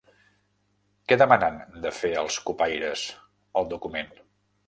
Què demanen de fer els cupaires al document?